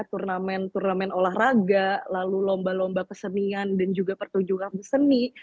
turnamen turnamen olahraga lalu lomba lomba kesenian dan juga pertunjukan seni